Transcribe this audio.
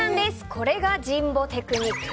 これが神保テクニック。